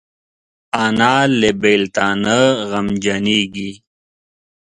انا له بیلتانه غمجنېږي